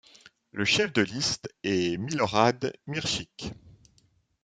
Le chef de liste est Milorad Mirčić.